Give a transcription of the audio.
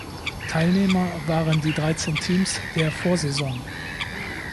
Teilnehmer waren die dreizehn Teams der Vorsaison.